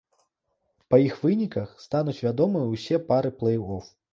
Па іх выніках стануць вядомыя ўсе пары плэй-оф.